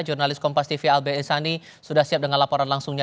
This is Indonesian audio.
jurnalis kompas tv alb esani sudah siap dengan laporan langsungnya